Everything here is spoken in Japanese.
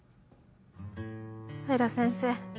平先生。